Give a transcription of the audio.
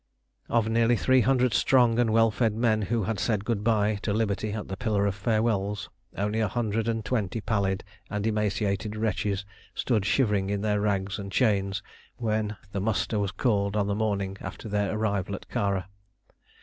Of nearly three hundred strong and well fed men who had said good bye to liberty at the Pillar of Farewells, only a hundred and twenty pallid and emaciated wretches stood shivering in their rags and chains when the muster was called on the morning after their arrival at Kara.